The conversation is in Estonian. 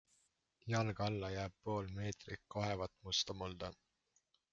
Jalge alla jääb pool meetrit kohevat musta mulda.